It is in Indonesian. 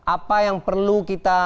apa yang perlu kita